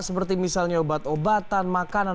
seperti misalnya obat obatan makanan